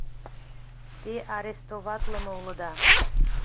— Те арестоватлыме улыда!